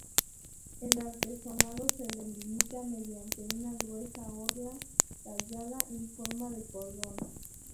El artesonado se delimita mediante una gruesa orla tallada en forma de cordón.